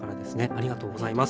ありがとうございます。